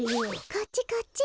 こっちこっち。